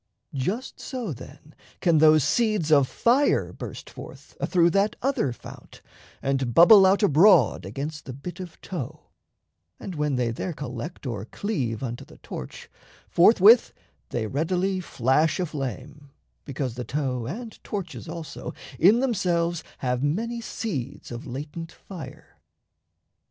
Just so, then, can those seeds of fire burst forth Athrough that other fount, and bubble out Abroad against the bit of tow; and when They there collect or cleave unto the torch, Forthwith they readily flash aflame, because The tow and torches, also, in themselves Have many seeds of latent fire.